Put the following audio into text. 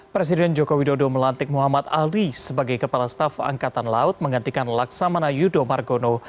presiden joko widodo melantik muhammad ali sebagai kepala staf angkatan laut menggantikan laksamana yudho margono